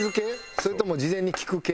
それとも事前に聞く系？